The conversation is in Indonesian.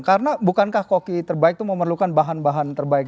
karena bukankah koki terbaik itu memerlukan bahan bahan terbaik dia